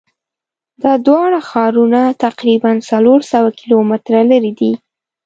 دا دواړه ښارونه تقریبآ څلور سوه کیلومتره لری دي.